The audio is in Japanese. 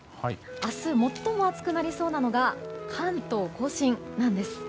明日、最も暑くなりそうなのが関東・甲信なんです。